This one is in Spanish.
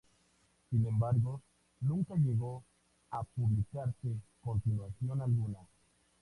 Sin embargo, nunca llegó a publicarse continuación alguna.